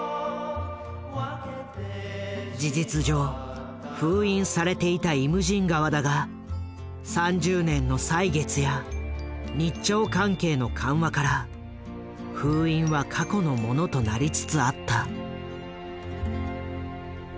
事実上封印されていた「イムジン河」だが３０年の歳月や日朝関係の緩和から封印は過去のものとなりつつあった。